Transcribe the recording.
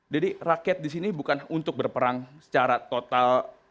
jadi rakyat di sini bukan untuk berperang secara total